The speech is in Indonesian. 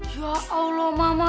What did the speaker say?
ya allah mama